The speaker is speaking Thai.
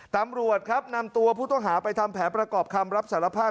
ตำรวจครับนำตัวผู้ต้องหาไปทำแผนประกอบคำรับสารภาพ